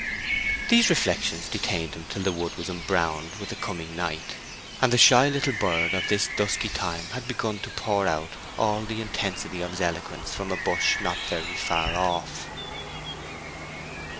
These reflections detained him till the wood was embrowned with the coming night, and the shy little bird of this dusky time had begun to pour out all the intensity of his eloquence from a bush not very far off.